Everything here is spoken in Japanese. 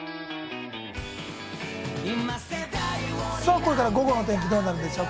これから午後の天気どうなるんでしょう？。